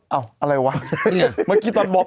เอ้าอะไรวะเมื่อกี้ตอนบอม